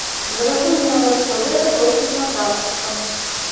Зразумела, што гэта толькі фантастыка.